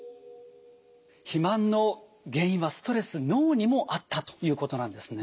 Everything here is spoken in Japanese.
肥満の原因はストレス脳にもあったということなんですね。